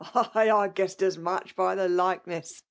" Ay, I guessed as much» by the likeness.